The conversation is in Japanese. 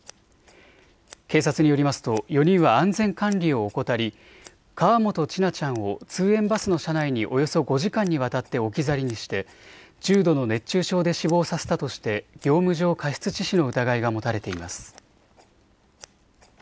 警察によりますと４人は安全管理を怠り河本千奈ちゃんを通園バスの車内におよそ５時間にわたって置き去りにして重度の熱中症で死亡させたとして業務上過失致死の疑いが持たれています。